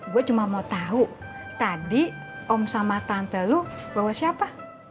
gue cuma mau tahu tadi om sama tante lu bawa siapa